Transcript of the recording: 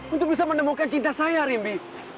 untuk bisa menemukan cinta saya rimbi